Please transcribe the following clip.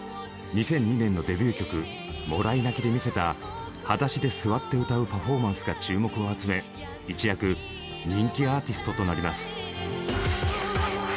２００２年のデビュー曲「もらい泣き」で見せたはだしで座って歌うパフォーマンスが注目を集め一躍人気アーティストとなります。